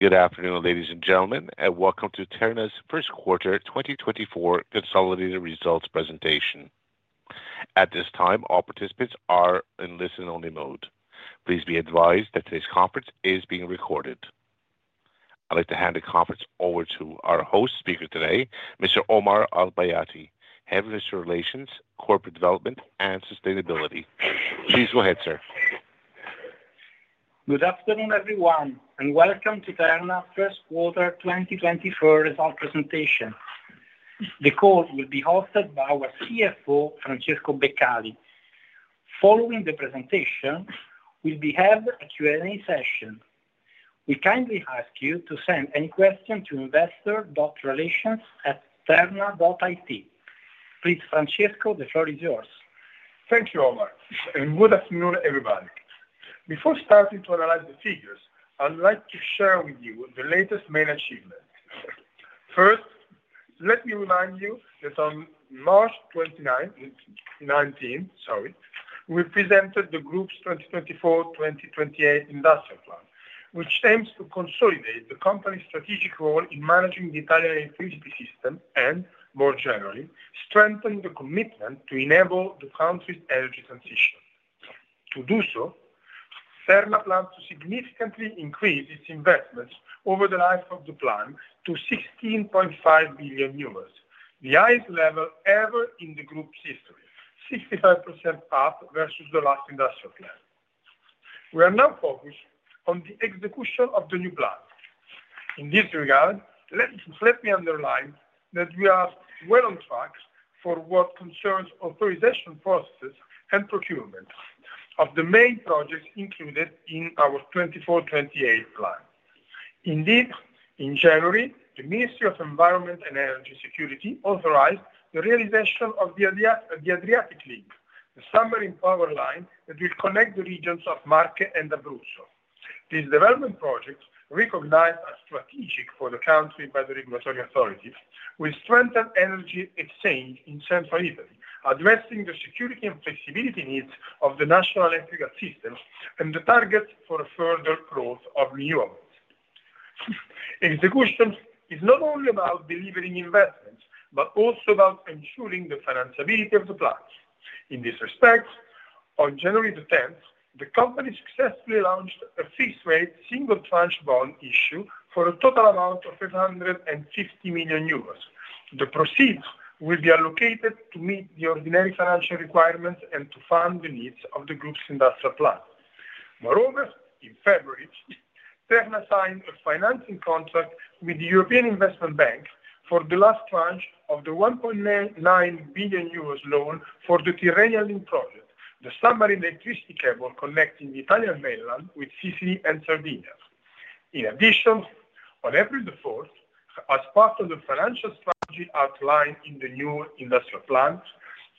Good afternoon, ladies and gentlemen, and welcome to Terna's first quarter 2024 consolidated results presentation. At this time, all participants are in listen-only mode. Please be advised that today's conference is being recorded. I'd like to hand the conference over to our host speaker today, Mr. Omar Al Bayati, Head of Investor Relations, Corporate Development, and Sustainability. Please go ahead, sir. Good afternoon, everyone, and welcome to Terna's first quarter 2024 result presentation. The call will be hosted by our CFO, Francesco Beccali. Following the presentation, we'll be having a Q&A session. We kindly ask you to send any questions to investor.relations@terna.it. Please, Francesco, the floor is yours. Thank you, Omar, and good afternoon, everybody. Before starting to analyze the figures, I'd like to share with you the latest main achievements. First, let me remind you that on March 29th, we presented the Group's 2024-2028 Industrial Plan, which aims to consolidate the company's strategic role in managing the Italian electricity system and, more generally, strengthen the commitment to enable the country's energy transition. To do so, Terna plans to significantly increase its investments over the life of the plan to 16.5 billion euros, the highest level ever in the group's history, 65% up versus the last industrial plan. We are now focused on the execution of the new plan. In this regard, let me underline that we are well on track for what concerns authorization processes and procurement of the main projects included in our 2024-2028 plan. Indeed, in January, the Ministry of Environment and Energy Security authorized the realization of the Adriatic Link, the submarine power line that will connect the regions of Marche and Abruzzo. This development project is recognized as strategic for the country by the regulatory authorities, will strengthen energy exchange in central Italy, addressing the security and flexibility needs of the national electrical system and the targets for further growth of renewables. Execution is not only about delivering investments but also about ensuring the financiability of the plan. In this respect, on January 10th, the company successfully launched a fixed-rate single-tranche bond issue for a total amount of 550 million euros. The proceeds will be allocated to meet the ordinary financial requirements and to fund the needs of the group's industrial plan. Moreover, in February, Terna signed a financing contract with the European Investment Bank for the last tranche of the 1.9 billion euros loan for the Tyrrhenian Link project, the submarine electricity cable connecting the Italian mainland with Sicily and Sardinia. In addition, on April 4th, as part of the financial strategy outlined in the new industrial plan,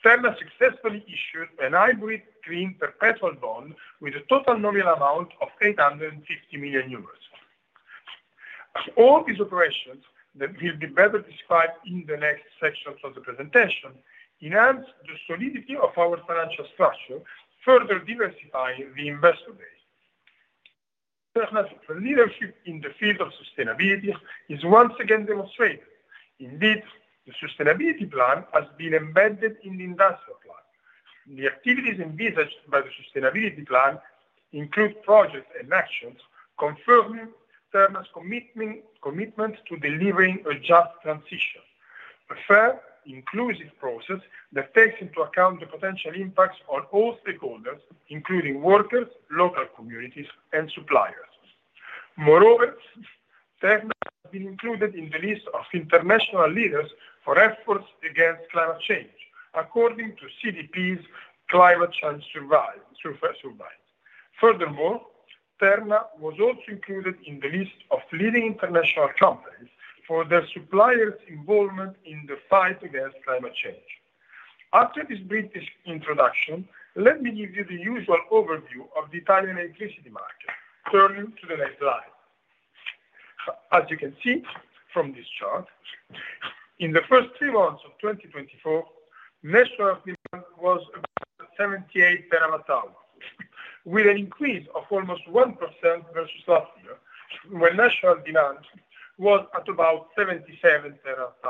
Terna successfully issued a hybrid green perpetual bond with a total nominal amount of 850 million euros. All these operations, that will be better described in the next sections of the presentation, enhance the solidity of our financial structure, further diversifying the investor base. Terna's leadership in the field of sustainability is once again demonstrated. Indeed, the sustainability plan has been embedded in the industrial plan. The activities envisaged by the Sustainability Plan include projects and actions confirming Terna's commitment to delivering a Just Transition, a fair, inclusive process that takes into account the potential impacts on all stakeholders, including workers, local communities, and suppliers. Moreover, Terna has been included in the list of international leaders for efforts against climate change, according to CDP's Climate Change Survey. Furthermore, Terna was also included in the list of leading international companies for their suppliers' involvement in the fight against climate change. After this brief introduction, let me give you the usual overview of the Italian electricity market. Turn to the next slide. As you can see from this chart, in the first three months of 2024, national demand was about 78 TWh, with an increase of almost 1% versus last year, when national demand was at about 77 TWh.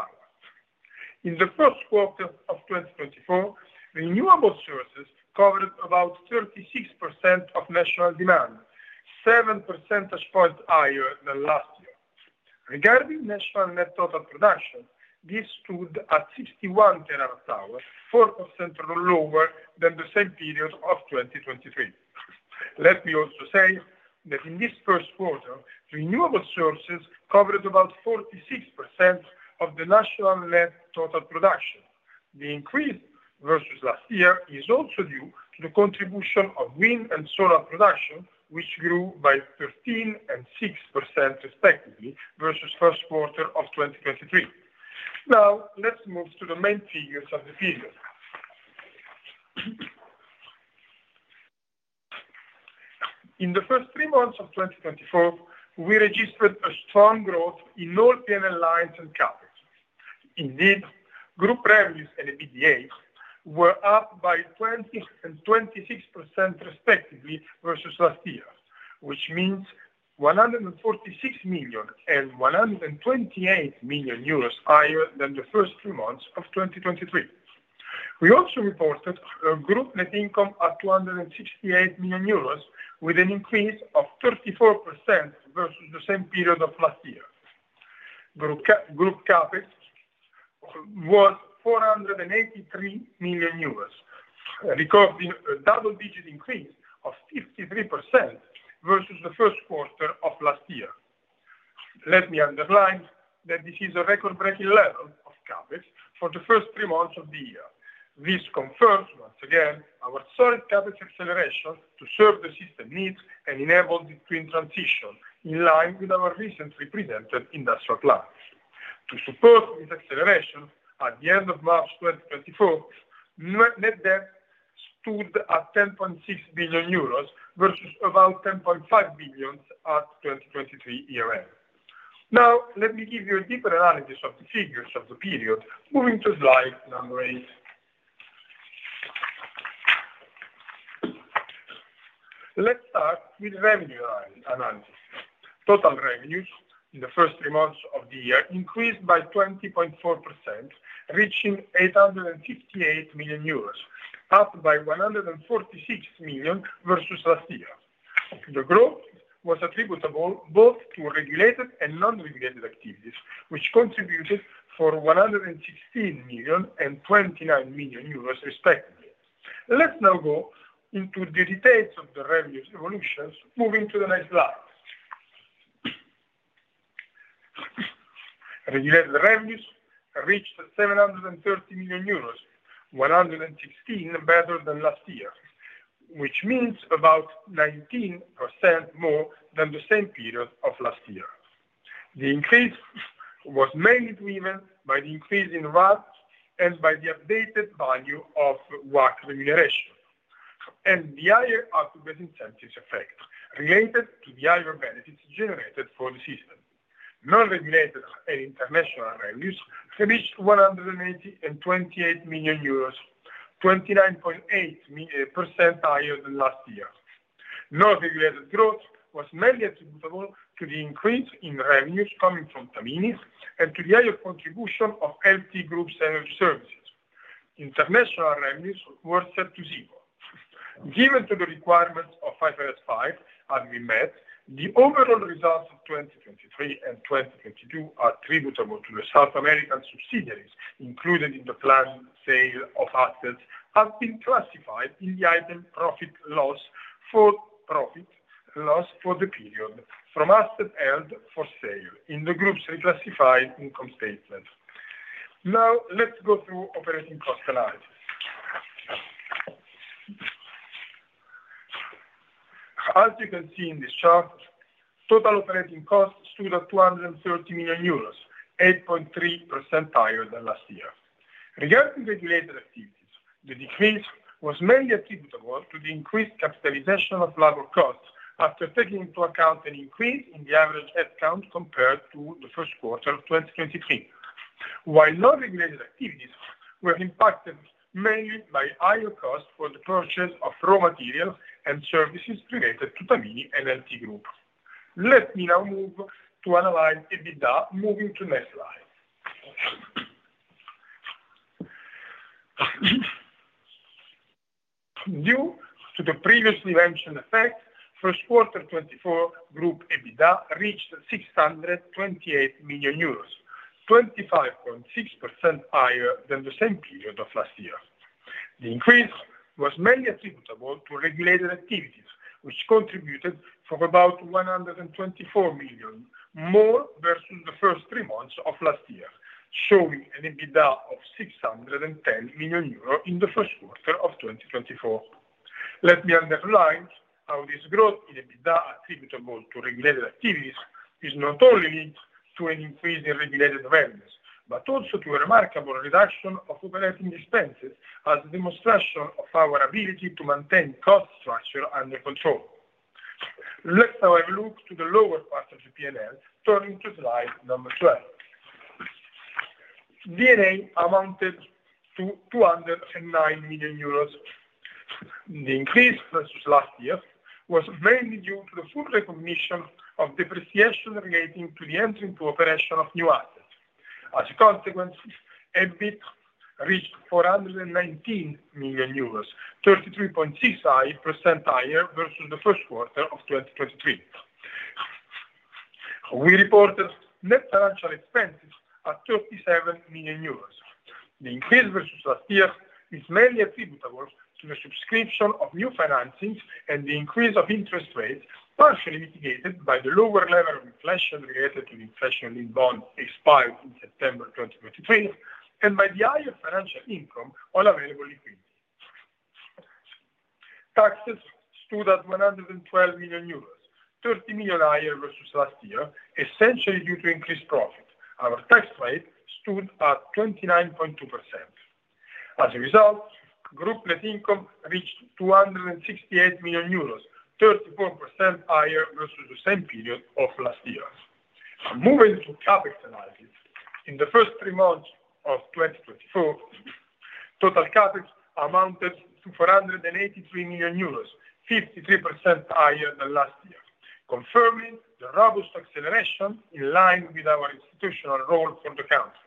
In the first quarter of 2024, renewable sources covered about 36% of national demand, 7 percentage points higher than last year. Regarding national net total production, this stood at 61 TWh, 4% lower than the same period of 2023. Let me also say that in this first quarter, renewable sources covered about 46% of the national net total production. The increase versus last year is also due to the contribution of wind and solar production, which grew by 13% and 6% respectively versus first quarter of 2023. Now, let's move to the main figures of the period. In the first three months of 2024, we registered a strong growth in all P&L lines and CapEx. Indeed, group revenues and EBITDA were up by 20% and 26% respectively versus last year, which means 146 million and 128 million euros higher than the first three months of 2023. We also reported a group net income at 268 million euros, with an increase of 34% versus the same period of last year. Group capital was EUR 483 million, recording a double-digit increase of 53% versus the first quarter of last year. Let me underline that this is a record-breaking level of capital for the first three months of the year. This confirms, once again, our solid capital acceleration to serve the system needs and enable the green transition in line with our recently presented industrial plan. To support this acceleration, at the end of March 2024, net debt stood at 10.6 billion euros versus about 10.5 billion at 2023 year-end. Now, let me give you a deeper analysis of the figures of the period. Moving to slide 8. Let's start with revenue analysis. Total revenues in the first three months of the year increased by 20.4%, reaching 858 million euros, up by 146 million versus last year. The growth was attributable both to regulated and non-regulated activities, which contributed for 116 million and 29 million euros respectively. Let's now go into the details of the revenue evolutions. Moving to the next slide. Regulated revenues reached 730 million euros, 116 million better than last year, which means about 19% more than the same period of last year. The increase was mainly driven by the increase in RAB and by the updated value of WACC remuneration and the higher output-based incentives effect related to the higher benefits generated for the system. Non-regulated and international revenues reached 180 million and 28 million euros, 29.8% higher than last year. Non-regulated growth was mainly attributable to the increase in revenues coming from Tamini and to the higher contribution of LT Group's energy services. International revenues were set to zero. Given that the requirements of IFRS 5 have been met, the overall results of 2023 and 2022 attributable to the South American subsidiaries included in the planned sale of assets have been classified in the item profit or loss for the period from assets held for sale in the group's reclassified income statement. Now, let's go through operating cost analysis. As you can see in this chart, total operating cost stood at 230 million euros, 8.3% higher than last year. Regarding regulated activities, the decrease was mainly attributable to the increased capitalization of labor costs after taking into account an increase in the average headcount compared to the first quarter of 2023, while non-regulated activities were impacted mainly by higher costs for the purchase of raw materials and services related to Tamini and LT Group. Let me now move to analyze EBITDA. Moving to the next slide. Due to the previously mentioned effect, first quarter 2024 group EBITDA reached 628 million euros, 25.6% higher than the same period of last year. The increase was mainly attributable to regulated activities, which contributed for about 124 million more versus the first three months of last year, showing an EBITDA of 610 million euro in the first quarter of 2024. Let me underline how this growth in EBITDA attributable to regulated activities is not only linked to an increase in regulated revenues but also to a remarkable reduction of operating expenses as a demonstration of our ability to maintain cost structure under control. Let's now have a look to the lower part of the P&L. Turning to slide 12. D&A amounted to 209 million euros. The increase versus last year was mainly due to the full recognition of depreciation relating to the entry into operation of new assets. As a consequence, EBIT reached 419 million euros, 33.6% higher versus the first quarter of 2023. We reported net financial expenses at 37 million euros. The increase versus last year is mainly attributable to the subscription of new financings and the increase of interest rates partially mitigated by the lower level of inflation related to the inflation-linked bond expired in September 2023 and by the higher financial income on available liquidity. Taxes stood at 112 million euros, 30 million higher versus last year, essentially due to increased profit. Our tax rate stood at 29.2%. As a result, group net income reached 268 million euros, 34% higher versus the same period of last year. Moving to capital analysis. In the first three months of 2024, total capital amounted to 483 million euros, 53% higher than last year, confirming the robust acceleration in line with our institutional role for the country.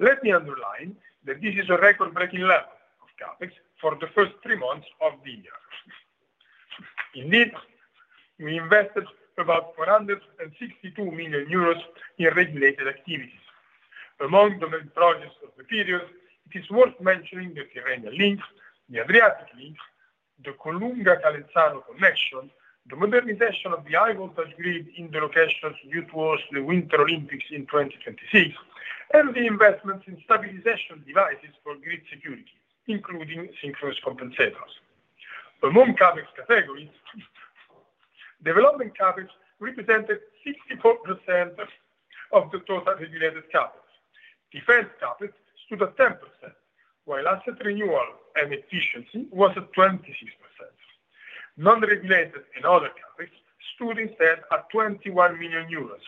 Let me underline that this is a record-breaking level of capital for the first three months of the year. Indeed, we invested about 462 million euros in regulated activities. Among the main projects of the period, it is worth mentioning the Tyrrhenian Link, the Adriatic Link, the Colunga-Calenzano connection, the modernization of the high-voltage grid in the locations due to the Winter Olympics in 2026, and the investments in stabilization devices for grid security, including synchronous compensators. Among capital categories, development capital represented 64% of the total regulated capital. Defense capital stood at 10%, while asset renewal and efficiency was at 26%. Non-regulated and other capitals stood instead at 21 million euros.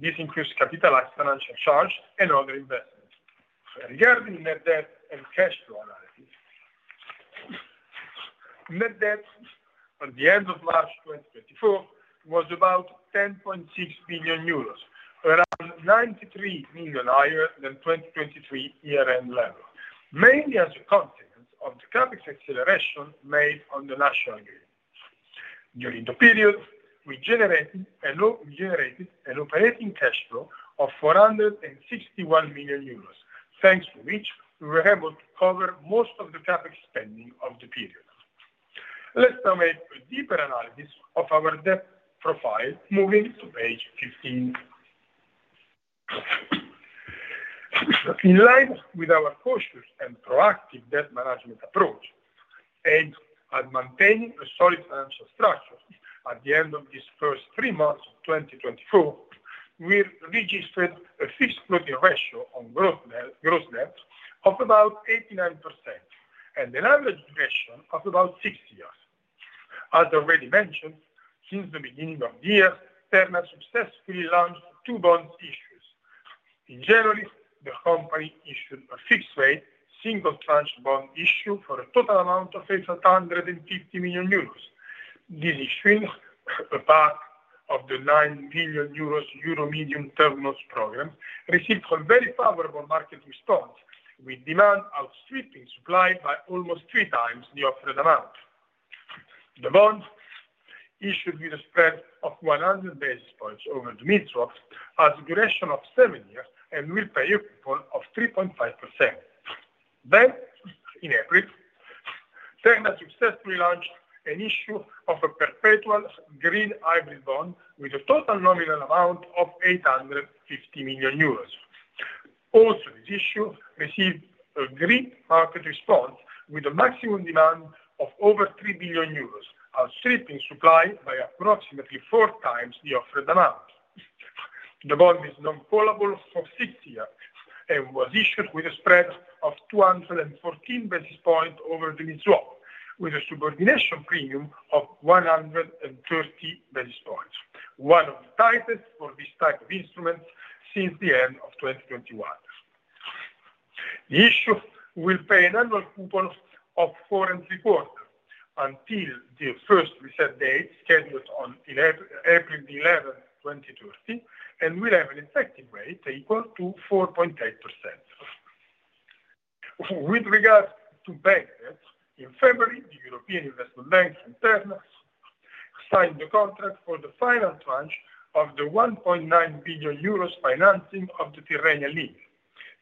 This includes capitalized financial charge and other investments. Regarding net debt and cash flow analysis, net debt at the end of March 2024 was about 10.6 billion euros, around 93 million higher than 2023 year-end level, mainly as a consequence of the capital acceleration made on the national grid. During the period, we generated an operating cash flow of 461 million euros, thanks to which we were able to cover most of the capital spending of the period. Let's now make a deeper analysis of our debt profile. Moving to page 15. In line with our cautious and proactive debt management approach and at maintaining a solid financial structure at the end of this first three months of 2024, we registered a fixed floating ratio on gross debt of about 89% and an average duration of about six years. As already mentioned, since the beginning of the year, Terna successfully launched two bonds issued. In January, the company issued a fixed rate, single tranche bond issue for a total amount of 850 million euros. This issuance, a part of the 9 billion Euro Medium Term Note Programme, received a very favorable market response, with demand outstripping supply by almost three times the offered amount. The bond, issued with a spread of 100 basis points over the mid-swaps, has a duration of 7 years, and will pay a coupon of 3.5%. In April, Terna successfully launched an issue of a perpetual green hybrid bond with a total nominal amount of 850 million euros. Also, this issue received a great market response with a maximum demand of over 3 billion euros, outstripping supply by approximately four times the offered amount. The bond is non-callable for 6 years and was issued with a spread of 214 basis points over the mid-swap, with a subordination premium of 130 basis points, one of the tightest for this type of instruments since the end of 2021. The issue will pay an annual coupon of 4.75% until the first reset date scheduled on April 11th, 2030, and will have an effective rate equal to 4.8%. With regard to bank debt, in February, the European Investment Bank and Terna signed the contract for the final tranche of the 1.9 billion euros financing of the Tyrrhenian Link.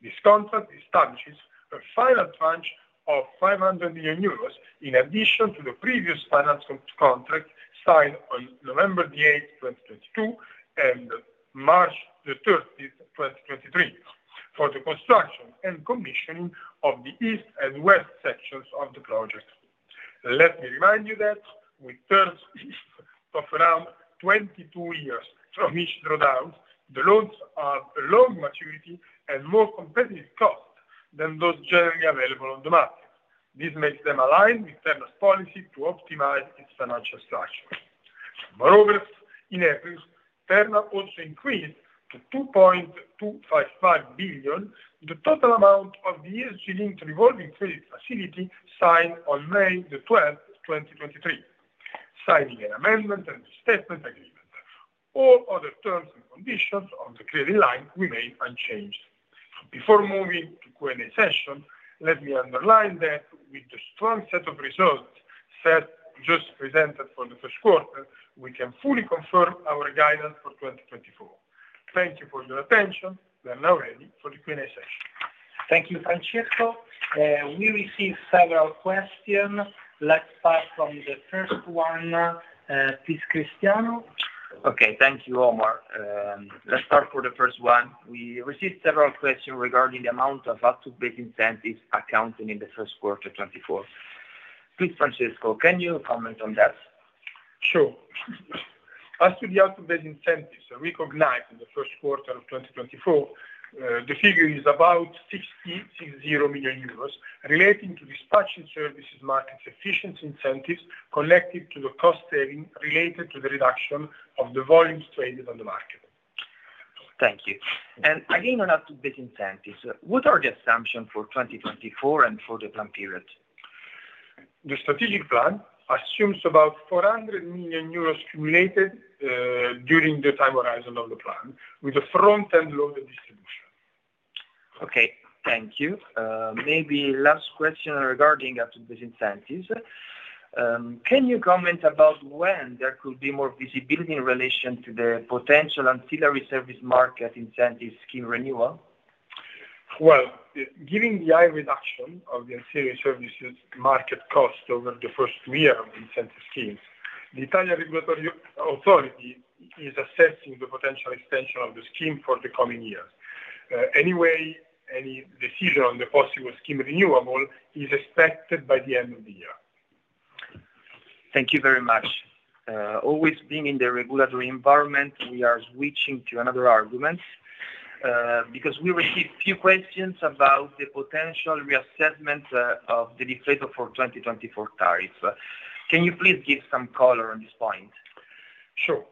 This contract establishes a final tranche of 500 million euros in addition to the previous finance contract signed on November 8th, 2022, and March 30th, 2023, for the construction and commissioning of the east and west sections of the project. Let me remind you that with terms of around 22 years from each drawdown, the loans are of long maturity and more competitive cost than those generally available on the market. This makes them align with Terna's policy to optimize its financial structure. Moreover, in April, Terna also increased to 2.255 billion the total amount of the ESG-linked Revolving Credit Facility signed on May 12, 2023, signing an amendment and restatement agreement. All other terms and conditions of the credit line remain unchanged. Before moving to Q&A session, let me underline that with the strong set of results just presented for the first quarter, we can fully confirm our guidance for 2024. Thank you for your attention. We're now ready for the Q&A session. Thank you, Francesco. We received several questions. Let's start from the first one. Please, Cristiano. Okay. Thank you, Omar. Let's start for the first one. We received several questions regarding the amount of output-based incentives accounted in the first quarter 2024. Please, Francesco, can you comment on that? Sure. As to the output-based incentives recognized in the first quarter of 2024, the figure is about 60 million euros relating to dispatching services market's efficiency incentives connected to the cost saving related to the reduction of the volumes traded on the market. Thank you. And again, on output-based incentives, what are the assumptions for 2024 and for the plan period? The strategic plan assumes about 400 million euros cumulated during the time horizon of the plan with a front-end loaded distribution. Okay. Thank you. Maybe last question regarding output-based incentives. Can you comment about when there could be more visibility in relation to the potential ancillary service market incentive scheme renewal? Well, given the high reduction of the ancillary services market cost over the first two years of the incentive schemes, the Italian Regulatory Authority is assessing the potential extension of the scheme for the coming years. Anyway, any decision on the possible scheme renewal is expected by the end of the year. Thank you very much. Always being in the regulatory environment, we are switching to another argument because we received few questions about the potential reassessment of the deflator for 2024 tariff. Can you please give some color on this point? Sure.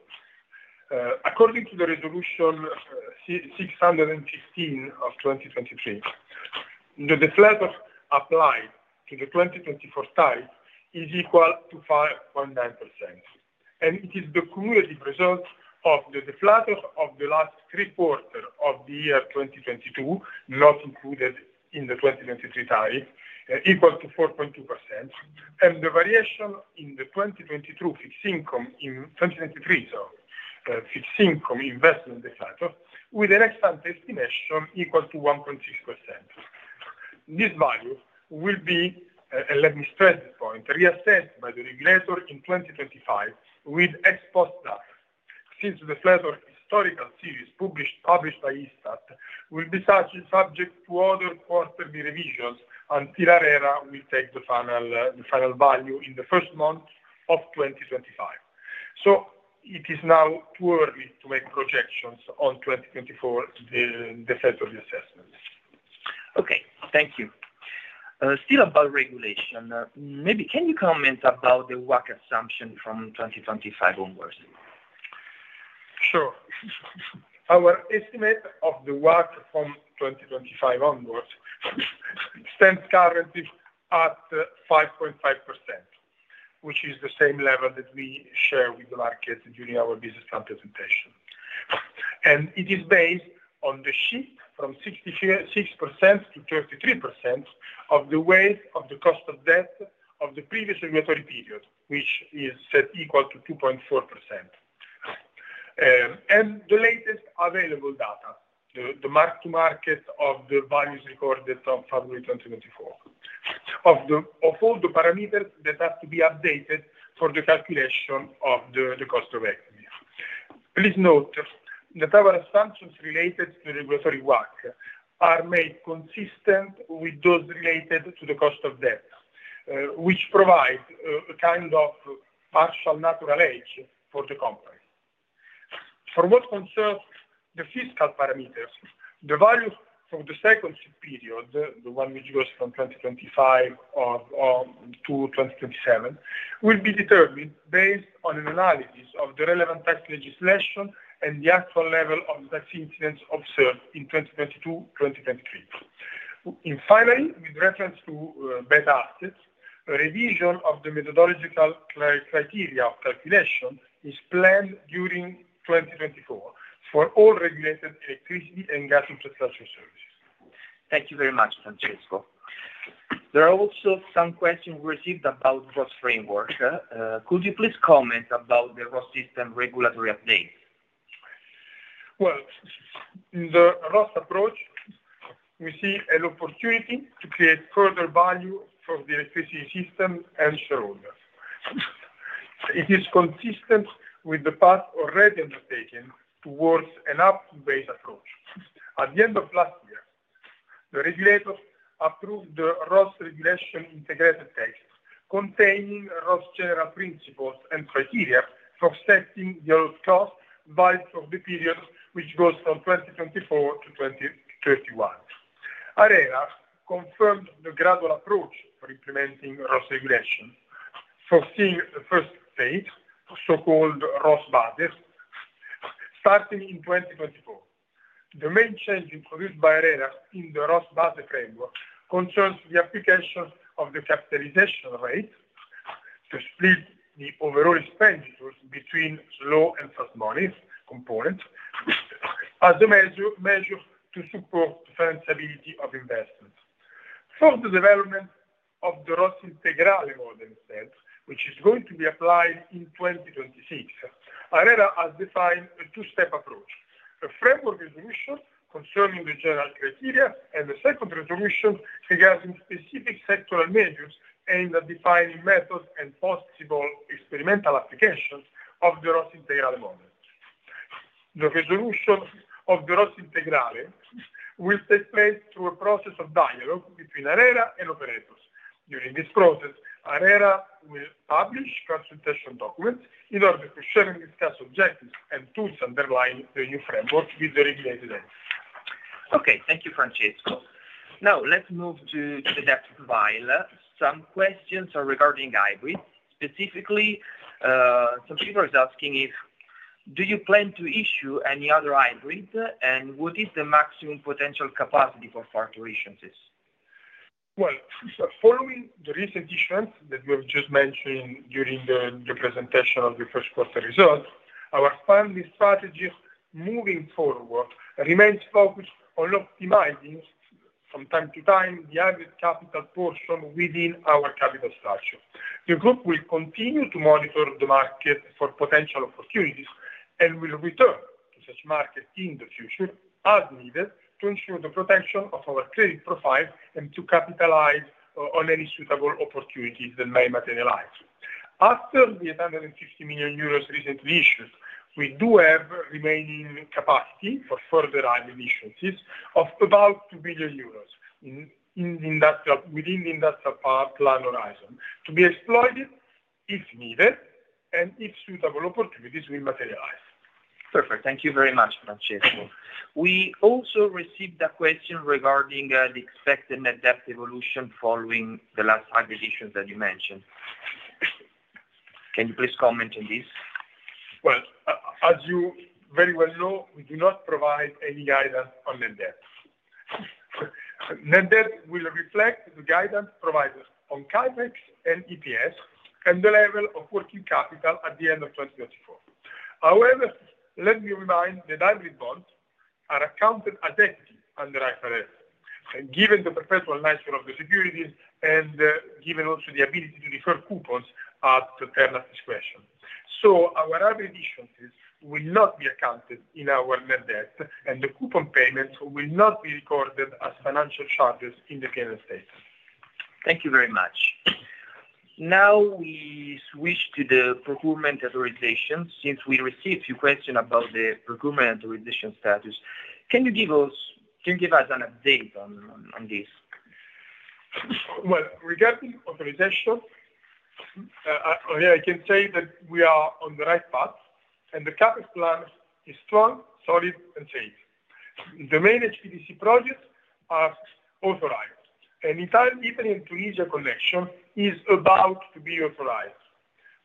According to the resolution 615 of 2023, the deflator applied to the 2024 tariff is equal to 5.9%. And it is the cumulative result of the deflator of the last three quarters of the year 2022, not included in the 2023 tariff, equal to 4.2% and the variation in the 2023 fixed income investment deflator with an expected estimation equal to 1.6%. This value will be - and let me stress this point - reassessed by the regulator in 2025 with ex post data. Since the deflator historical series published by ISTAT will be subject to other quarterly revisions until ARERA will take the final value in the first month of 2025. So it is now too early to make projections on 2024 deflator reassessment. Okay. Thank you. Still about regulation, maybe can you comment about the WACC assumption from 2025 onwards? Sure. Our estimate of the WACC from 2025 onwards stands currently at 5.5%, which is the same level that we share with the market during our business plan presentation. It is based on the shift from 6%-33% of the weight of the cost of debt of the previous regulatory period, which is set equal to 2.4%. The latest available data, the mark-to-market of the values recorded from February 2024, of all the parameters that have to be updated for the calculation of the cost of equity. Please note that our assumptions related to regulatory WACC are made consistent with those related to the cost of debt, which provide a kind of partial natural edge for the company. For what concerns the fiscal parameters, the values for the second period, the one which goes from 2025 to 2027, will be determined based on an analysis of the relevant tax legislation and the actual level of tax incidence observed in 2022-2023. Finally, with reference to Beta Assets, a revision of the methodological criteria of calculation is planned during 2024 for all regulated electricity and gas infrastructure services. Thank you very much, Francesco. There are also some questions we received about ROSS framework. Could you please comment about the ROSS system regulatory updates? Well, in the ROSS approach, we see an opportunity to create further value for the electricity system and shareholders. It is consistent with the path already undertaken towards an output-based approach. At the end of last year, the regulator approved the ROSS regulation integrated text containing ROSS general principles and criteria for setting the allowed cost value for the period, which goes from 2024 to 2031. ARERA confirmed the gradual approach for implementing ROSS regulation, foreseeing the first phase, so-called ROSS base, starting in 2024. The main change introduced by ARERA in the ROSS base framework concerns the application of the capitalization rate to split the overall expenditures between slow and fast money components as a measure to support the financeability of investment. For the development of the ROSS integrale model itself, which is going to be applied in 2026, ARERA has defined a two-step approach: a framework resolution concerning the general criteria and a second resolution regarding specific sectoral measures aimed at defining methods and possible experimental applications of the ROSS integrale model. The resolution of the ROSS integrale will take place through a process of dialogue between ARERA and operators. During this process, ARERA will publish consultation documents in order to share and discuss objectives and tools underlying the new framework with the regulated entities. Okay. Thank you, Francesco. Now, let's move to the debt profile. Some questions are regarding hybrids. Specifically, some people are asking if do you plan to issue any other hybrid, and what is the maximum potential capacity for Terna to issue this? Well, following the recent issues that we have just mentioned during the presentation of the first quarter results, our funding strategy moving forward remains focused on optimizing from time to time the hybrid capital portion within our capital structure. The group will continue to monitor the market for potential opportunities and will return to such markets in the future as needed to ensure the protection of our credit profile and to capitalize on any suitable opportunities that may materialize. After the 850 million euros recently issued, we do have remaining capacity for further hybrid issuances of about 2 billion euros within the Industrial Plan horizon to be exploited if needed and if suitable opportunities will materialize. Perfect. Thank you very much, Francesco. We also received a question regarding the expected net debt evolution following the last hybrid issues that you mentioned. Can you please comment on this? Well, as you very well know, we do not provide any guidance on net debt. Net debt will reflect the guidance provided on CapEx and EPS and the level of working capital at the end of 2024. However, let me remind that hybrid bonds are accounted as equity under IFRS given the perpetual nature of the securities and given also the ability to defer coupons at Terna's discretion. So our hybrid issuances will not be accounted in our net debt, and the coupon payments will not be recorded as financial charges in the payment statement. Thank you very much. Now, we switch to the procurement authorization. Since we received a few questions about the procurement authorization status, can you give us an update on this? Well, regarding authorization, I can say that we are on the right path, and the CapEx plan is strong, solid, and safe. The main HVDC projects are authorized, and Italian-Tunisia connection is about to be authorized.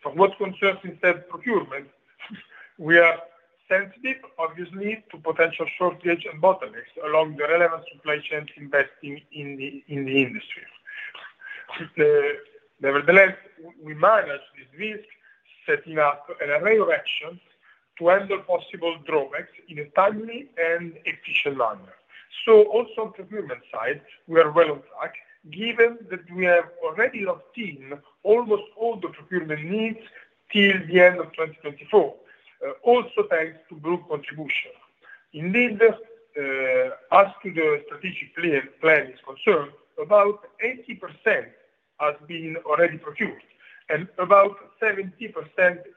For what concerns instead procurement, we are sensitive, obviously, to potential shortage and bottlenecks along the relevant supply chains investing in the industry. Nevertheless, we manage this risk setting up an array of actions to handle possible drawbacks in a timely and efficient manner. So also on procurement side, we are well on track given that we have already locked in almost all the procurement needs till the end of 2024, also thanks to group contribution. Indeed, as to the strategic plan is concerned, about 80% has been already procured, and about 70%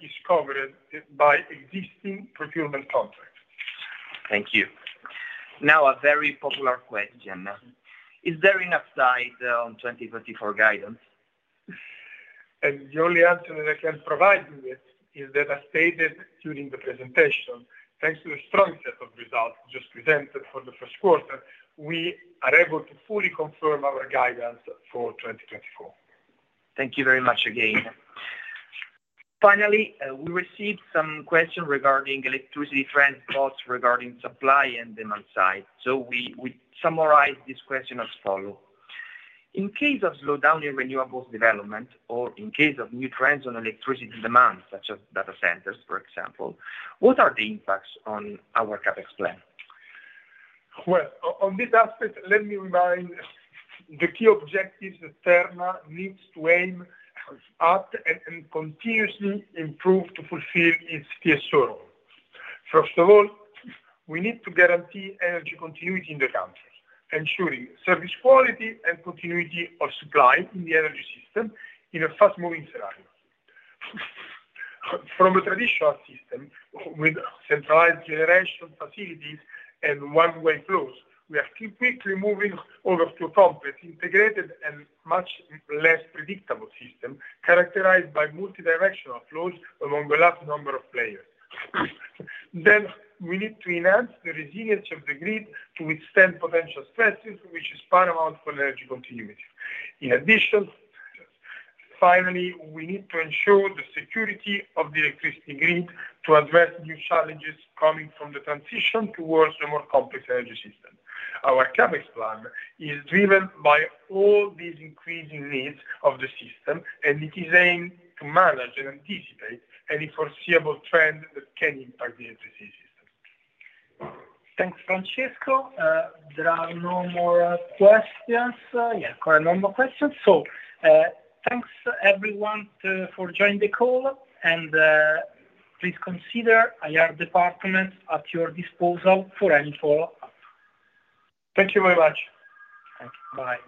is covered by existing procurement contracts. Thank you. Now, a very popular question. Is there enough time on 2024 guidance? The only answer that I can provide you with is that as stated during the presentation, thanks to the strong set of results just presented for the first quarter, we are able to fully confirm our guidance for 2024. Thank you very much again. Finally, we received some questions regarding electricity trends both regarding supply and demand side. We summarize this question as follows. In case of slowdown in renewables development or in case of new trends on electricity demand such as data centers, for example, what are the impacts on our CapEx plan? Well, on this aspect, let me remind the key objectives that Terna needs to aim at and continuously improve to fulfill its TSO role. First of all, we need to guarantee energy continuity in the country, ensuring service quality and continuity of supply in the energy system in a fast-moving scenario. From a traditional system with centralized generation facilities and one-way flows, we are quickly moving over to a complex, integrated, and much less predictable system characterized by multidirectional flows among a large number of players. Then, we need to enhance the resilience of the grid to withstand potential stresses, which is paramount for energy continuity. In addition, finally, we need to ensure the security of the electricity grid to address new challenges coming from the transition towards a more complex energy system. Our CapEx plan is driven by all these increasing needs of the system, and it is aimed to manage and anticipate any foreseeable trend that can impact the electricity system. Thanks, Francesco. There are no more questions. Yeah, quite a number of questions. So thanks, everyone, for joining the call, and please consider IR department at your disposal for any follow-up. Thank you very much. Thank you. Bye.